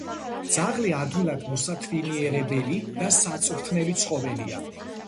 ძაღლი ადვილად მოსათვინიერებელი და საწვრთნელი ცხოველია.